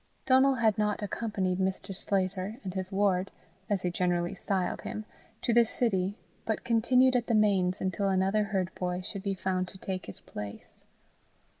Donal had not accompanied Mr. Sclater and his ward, as he generally styled him, to the city, but continued at the Mains until another herd boy should be found to take his place.